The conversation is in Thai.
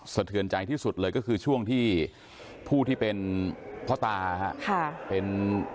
เทือนใจที่สุดเลยก็คือช่วงที่ผู้ที่เป็นพ่อตาเป็น